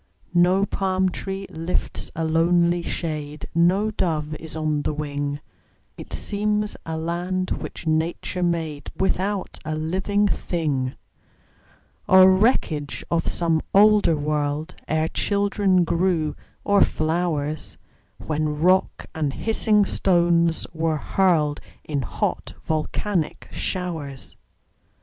No palm tree lifts a lonely shade, No dove is on the wing; It seems a land which Nature made Without a living thing, Or wreckage of some older world, Ere children grew, or flowers, When rocks and hissing stones were hurled In hot, volcanic showers.